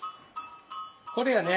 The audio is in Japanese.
これやね？